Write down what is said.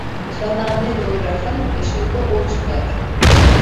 Çanağa ne doğrarsan kaşığında o çıkar.